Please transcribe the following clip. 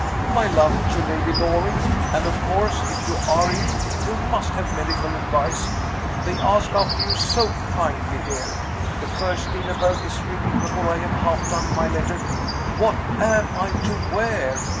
my love to Lady Loring and of course, if you are ill, you must have medical advice they ask after you so kindly here the first dinner bell is ringing, before I have half done my letter what am I to wear?